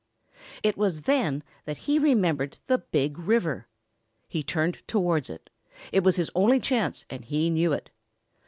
It was then that he remembered the Big River. He turned towards it. It was his only chance and he knew it.